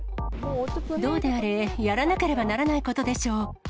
どうであれ、やらなければならないことでしょう。